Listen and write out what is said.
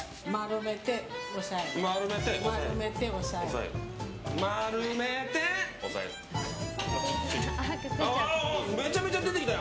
めちゃめちゃ出てきた。